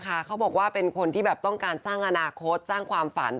เขาบอกว่าเป็นคนที่แบบต้องการสร้างอนาคตสร้างความฝัน